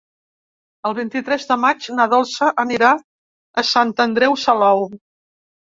El vint-i-tres de maig na Dolça anirà a Sant Andreu Salou.